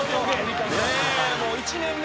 １年目。